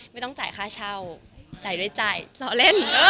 เพราะแบบชิ้นว๊ะตึง